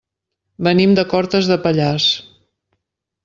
Venim de Cortes de Pallars.